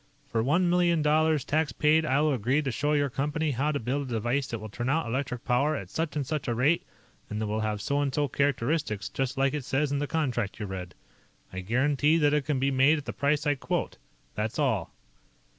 For one million dollars, tax paid, I will agree to show your company how to build a device that will turn out electric power at such and such a rate and that will have so and so characteristics, just like it says in the contract you read. I guarantee that it can be made at the price I quote. That's all."